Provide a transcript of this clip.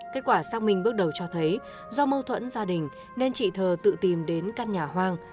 kết quả xác minh bước đầu cho thấy do mâu thuẫn gia đình nên chị thơ tự tìm đến căn nhà hoang